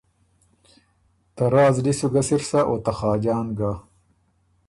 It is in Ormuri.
ته رۀ ا زلی سُو ګه سِر سۀ او ته خاجان ګۀ۔